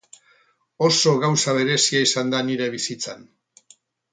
Oso gauza berezia izan da nire bizitzan.